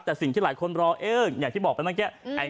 แต่สิ่งที่หลายคนรออย่างที่บอกไปเมื่อกี้